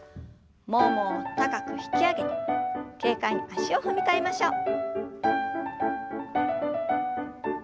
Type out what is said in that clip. ももを高く引き上げて軽快に足を踏み替えましょう。